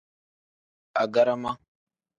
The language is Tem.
Agarama.